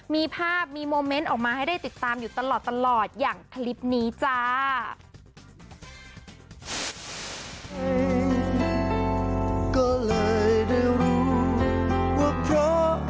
มีภาพมีโมเมนต์ออกมาให้ได้ติดตามอยู่ตลอดอย่างคลิปนี้จ้า